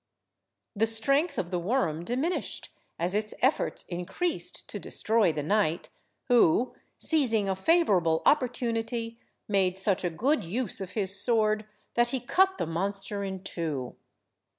The strength of the worm diminished as its efforts increased to destroy the knight, who, seizing a favourable opportunity, made such a good use of his sword that he cut the monster in two.